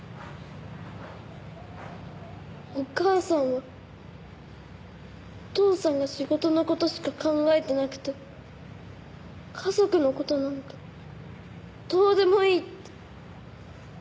お母さんはお父さんが仕事の事しか考えてなくて家族の事なんかどうでもいいって。